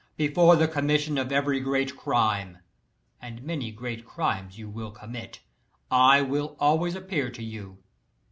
Before the commission of every great crime and many great crimes you will commit I will always appear to you.